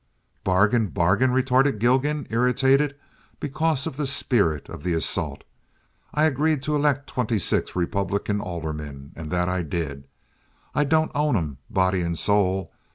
"Bargain! bargain!" retorted Gilgan, irritated because of the spirit of the assault. "I agreed to elect twenty six Republican aldermen, and that I did. I don't own 'em body and soul.